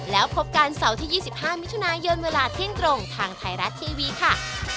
แล้วพบกันเสาร์ที่๒๕มิถุนายนเวลาเที่ยงตรงทางไทยรัฐทีวีค่ะ